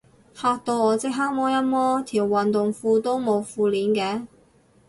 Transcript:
嚇到我即刻摸一摸，條運動褲都冇褲鏈嘅